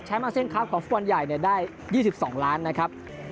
แชมบ์อัสเซียนครับของฟุตบอลใหญ่ได้๒๒ล้านอย่าง